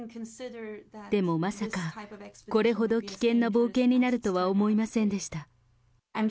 でもまさか、これほど危険な冒険になるとは思いませんでした。